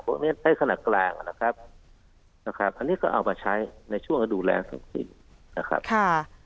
พวกเนี้ยได้ขนาดกลางอะนะครับนะครับอันนี้ก็เอามาใช้ในช่วงระดูกแรงสังสิบนะครับค่ะ